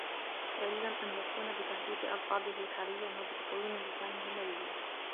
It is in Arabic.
فَيَلْزَمُ أَنْ يَكُونَ بِتَهْذِيبِ أَلْفَاظِهِ حَرِيًّا وَبِتَقْوِيمِ لِسَانِهِ مَلِيًّا